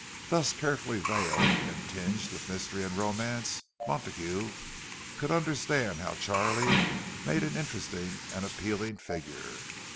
Thus carefully veiled, and tinged with mystery and romance, Montague could understand how Charlie made an interesting and appealing figure.